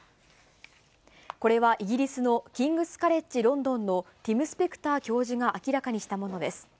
これはイギリスのキングス・カレッジ・ロンドンのティム・スペクター教授が明らかにしたものです。